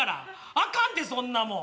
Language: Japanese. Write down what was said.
あかんでそんなもん。